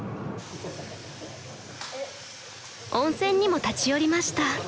［温泉にも立ち寄りました］